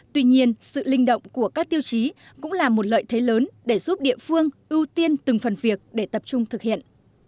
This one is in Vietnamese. tuy nhiên sự linh động của các tiêu chí cũng là một lợi thế lớn để giúp địa phương ưu tiên từng phần việc để tập trung thực hiện